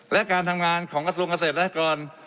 และการทำงานของกระทรวงเกษตรและกร